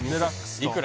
いくら？